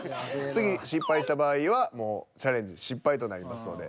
次失敗した場合はもうチャレンジ失敗となりますので。